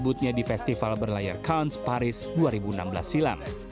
sebutnya di festival berlayar counts paris dua ribu enam belas silam